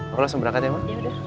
aku langsung berangkat ya mak